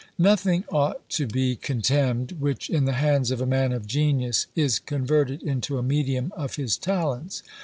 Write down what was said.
Nothing ought to be contemned which, in the hands of a man of genius, is converted into a medium of his talents.